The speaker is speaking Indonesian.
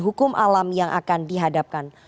hukum alam yang akan dihadapkan